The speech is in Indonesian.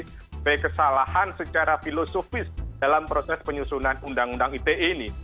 inilah yang saya sebut sebagai sebuah distorsi dari kesalahan secara filosofis dalam proses penyusunan undang undang itei ini